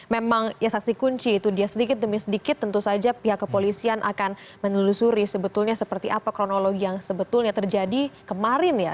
memang ya saksi kunci itu dia sedikit demi sedikit tentu saja pihak kepolisian akan menelusuri sebetulnya seperti apa kronologi yang sebetulnya terjadi kemarin ya